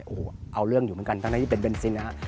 โอ้โหเอาเรื่องอยู่เหมือนกันทั้งนั้นที่เป็นเบนซินนะฮะ